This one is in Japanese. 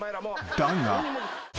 ［だが］